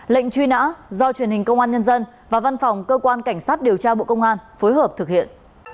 lệnh truy nã do truyền hình công an nhân dân và văn phòng cơ quan cảnh sát điều tra bộ công an phối hợp thực hiện